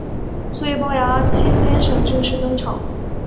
所以暴牙七先生正式登场。